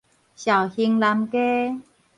紹興南街